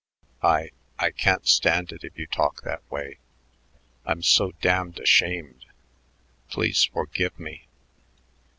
I I can't stand it if you talk that way. I'm so damned ashamed. Please forgive me."